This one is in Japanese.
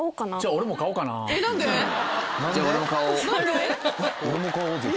俺も買おう絶対。